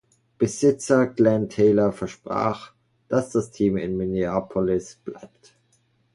Besitzer Glen Taylor versprach, dass das Team in Minneapolis bleibt.